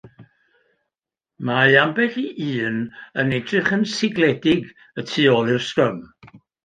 Mae ambell i un yn edrych yn sigledig y tu ôl i'r sgrym.